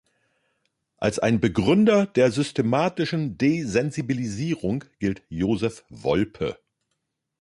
Als ein Begründer der systematischen Desensibilisierung gilt Joseph Wolpe.